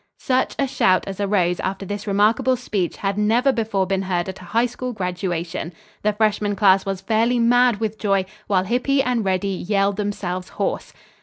Such a shout as arose after this remarkable speech had never before been heard at a high school graduation. The freshman class was fairly mad with joy, while Hippy and Reddy yelled themselves hoarse.